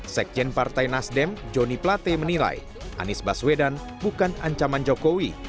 sekjen partai nasdem joni plate menilai anies baswedan bukan ancaman jokowi